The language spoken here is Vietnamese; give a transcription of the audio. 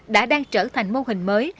đã đang trở thành mô hình mới